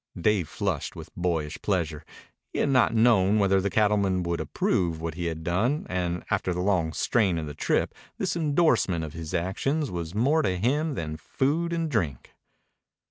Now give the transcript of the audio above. Dave flushed with boyish pleasure. He had not known whether the cattleman would approve what he had done, and after the long strain of the trip this endorsement of his actions was more to him than food or drink.